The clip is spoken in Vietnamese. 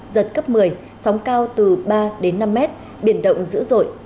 giật cấp một mươi sóng cao từ ba đến năm mét biển động dữ dội